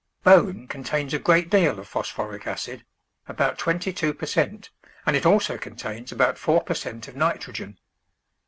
Bone contains a great deal of phosphoric acid — about twenty two per cent — and it also contains about four per cent of nitrogen.